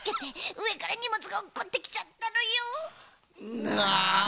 うえからにもつがおっこってきちゃったのよ。